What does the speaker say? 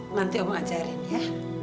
nanti aku mau ajarin ya